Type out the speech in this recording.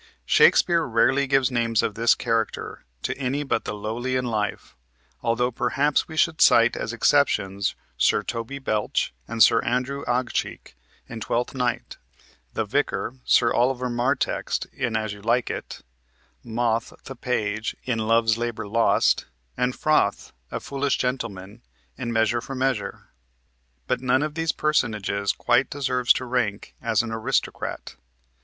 Shakespeare rarely gives names of this character to any but the lowly in life, altho perhaps we should cite as exceptions Sir Toby Belch and Sir Andrew Ague Cheek in "Twelfth Night"; the vicar, Sir Oliver Mar Text, in "As You Like It"; Moth, the page, in "Love's Labor Lost," and Froth, "a foolish gentleman," in "Measure for Measure," but none of these personages quite deserves to rank as an aristocrat.